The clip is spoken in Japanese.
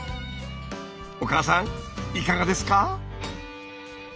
お母さんいかがですか？